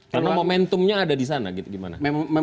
karena momentumnya ada di sana gitu gimana